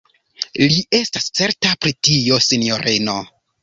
Li estas certa pri tio, sinjorino.